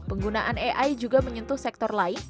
penggunaan ai juga menyentuh sektor lain